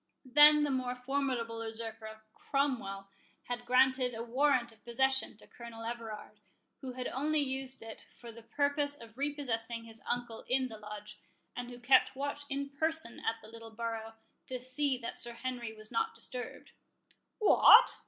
Then the more formidable usurper, Cromwell, had granted a warrant of possession to Colonel Everard, who had only used it for the purpose of repossessing his uncle in the Lodge, and who kept watch in person at the little borough, to see that Sir Henry was not disturbed." "What!